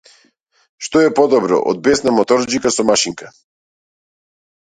Што е подобро од бесна моторџика со машинка?